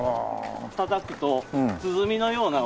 たたくと鼓のような音が。